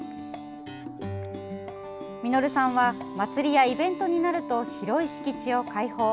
實さんは祭りやイベントになると広い敷地を開放。